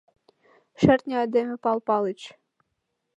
Шӧртньӧ айдеме Пал Палыч!»